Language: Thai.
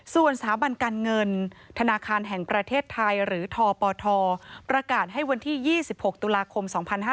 ส่วนสถาบันการเงินธนาคารแห่งประเทศไทยหรือทปทประกาศให้วันที่๒๖ตุลาคม๒๕๕๙